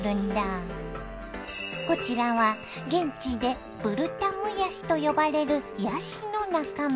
こちらは現地でブルタムヤシと呼ばれるヤシの仲間。